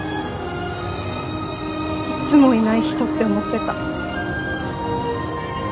いつもいない人って思ってた。